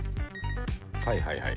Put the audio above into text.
はいはいはい。